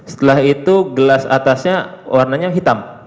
setelah itu gelas atasnya warnanya hitam